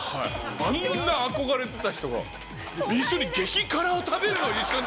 あんな憧れてた人が激辛を食べるのを一緒に。